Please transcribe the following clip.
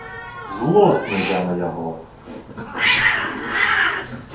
Злосны я на яго.